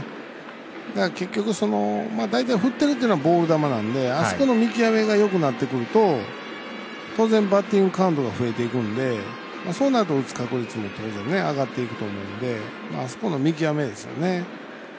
だから結局、振ってるっていうのはボール球なんであそこの見極めがよくなってくると当然、バッティングカウントが増えていくんでそうなると打つ確率も当然、上がっていくと思うのであそこの見極めですよね。